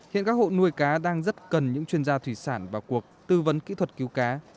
hiện các hộ nuôi cá đang rất cần những chuyên gia thủy sản vào cuộc tư vấn kỹ thuật cứu cá